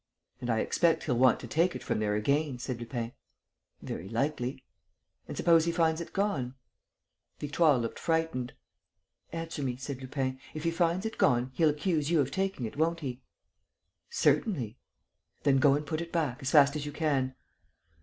"And I expect he'll want to take it from there again," said Lupin. "Very likely." "And suppose he finds it gone?" Victoire looked frightened. "Answer me," said Lupin. "If he finds it gone, he'll accuse you of taking it, won't he?" "Certainly." "Then go and put it back, as fast as you can."